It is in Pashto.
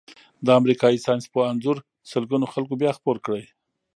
د امریکايي ساینسپوه انځور سلګونو خلکو بیا خپور کړی.